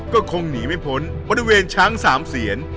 ก็คงหนีไม่พ้นบริเวณช้างสามเสียน